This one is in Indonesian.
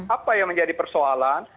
apa yang menjadi persoalan